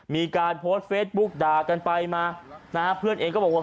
มีการโพสต์เฟซบุ๊กด่ากันไปมานะฮะเพื่อนเองก็บอกว่า